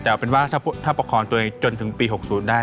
แต่เอาเป็นว่าถ้าประคองตัวเองจนถึงปี๖๐ได้